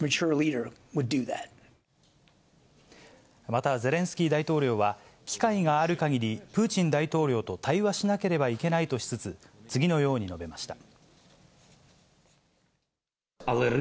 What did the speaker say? また、ゼレンスキー大統領は、機会があるかぎり、プーチン大統領と対話しなければいけないとしつつ、次のように述べました。